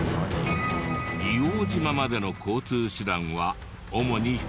硫黄島までの交通手段は主にフェリー。